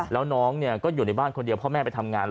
แล้วน้องก็อยู่ในบ้านคนเดียวพ่อแม่ไปทำงาน